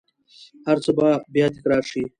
هرڅه به بیا تکرار شي